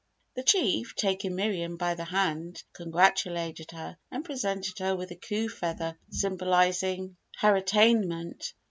The Chief, taking Miriam by the hand, congratulated her and presented her with the coup feather symbolising her attainment.